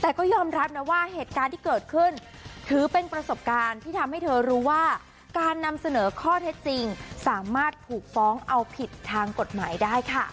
แต่ก็ยอมรับนะว่าเหตุการณ์ที่เกิดขึ้นถือเป็นประสบการณ์ที่ทำให้เธอรู้ว่าการนำเสนอข้อเท็จจริงสามารถถูกฟ้องเอาผิดทางกฎหมายได้ค่ะ